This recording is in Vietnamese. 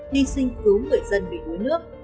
hy sinh cứu người dân bị đuối nước